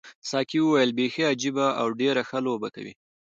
ساقي وویل بیخي عجیبه او ډېره ښه لوبه کوي.